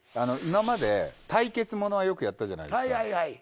今まで対決物はよくやったじゃないですか。